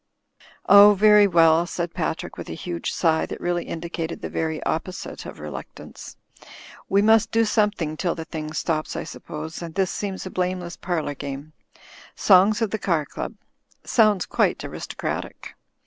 "Oh, very well," said Patrick, with a huge sigh that really indicated the very opposite of reluctance. "We must do something till the thing stops, I suppose, and this seems a blameless parlour game. 'Songs of the Car Qub.' Soimds quite aristocratic."